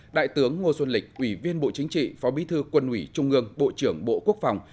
đại tướng ngô xuân lịch ủy viên bộ chính trị phó bí thư quân ủy trung ương bộ trưởng bộ quốc phòng